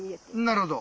なるほど。